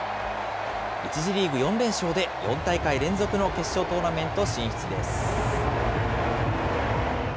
１次リーグ４連勝で、４大会連続の決勝トーナメント進出です。